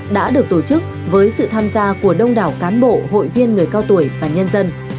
đã được tổ chức với sự tham gia của đông đảo cán bộ hội viên người cao tuổi và nhân dân